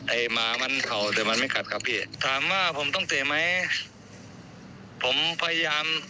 หมามันเข่าแต่มันไม่กัดครับพี่ถามว่าผมต้องเตะไหมผมพยายาม